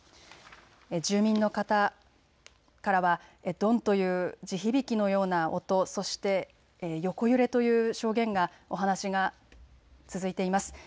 住民の方からは、どんという地響きのような音、そして横揺れという証言が、お話が続いています。